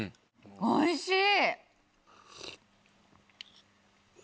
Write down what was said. おいしい！